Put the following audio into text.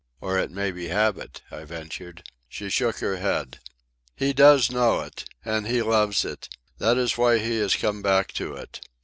"Or it may be habit," I ventured. She shook her head. "He does know it. And he loves it. That is why he has come back to it.